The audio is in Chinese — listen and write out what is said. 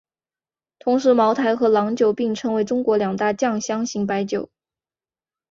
同时茅台和郎酒并称为中国两大酱香型白酒。